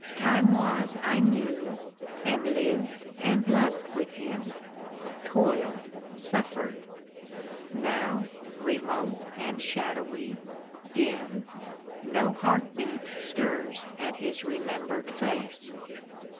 Time was I knew, and lived and loved with him; Toiled, suffered. Now, remote and shadowy, dim, No heartbeat stirs at his remembered face.